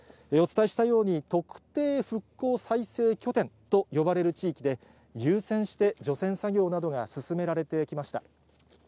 お伝えしたように、特定復興再生拠点と呼ばれる地域で、優先して、除染作業などが進められてきました。